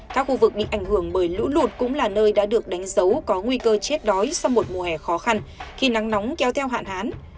các khu vực bị ảnh hưởng bởi lũ lụt cũng là nơi đã được đánh dấu có nguy cơ chết đói sau một mùa hè khó khăn khi nắng nóng kéo theo hạn hán